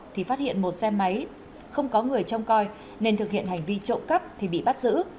thì phát hiện một xe máy không có người trông coi nên thực hiện hành vi trộm cắp thì bị bắt giữ